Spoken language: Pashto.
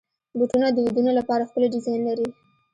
بوټونه د ودونو لپاره ښکلي ډیزاین لري.